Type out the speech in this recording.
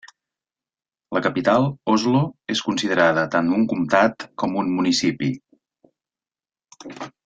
La capital, Oslo, és considerada tant un comtat i com un municipi.